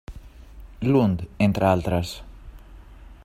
Lund, entre altres.